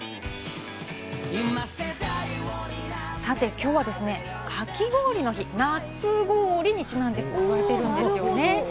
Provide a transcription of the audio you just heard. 今日はかき氷の日、なつごおりにちなんでとなっているんですよね。